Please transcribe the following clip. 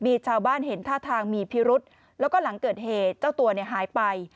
มีชาวบ้านเห็นท่าทางมีพิรุษแล้วก็หลังเกิดเหตุเจ้าตัวเนี่ยหายไป